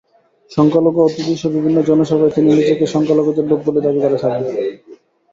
সংখ্যালঘু-অধ্যুষিত বিভিন্ন জনসভায় তিনি নিজেকে সংখ্যালঘুদের লোক বলেই দাবি করে থাকেন।